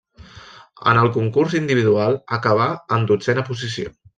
En el concurs individual acabà en dotzena posició.